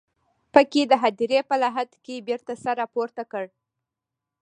په کې د هديرې په لحد کې بېرته سر راپورته کړ.